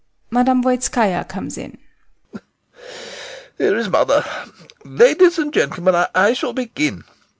MME. VOITSKAYA comes in. SEREBRAKOFF. Here is mother. Ladies and gentlemen, I shall begin.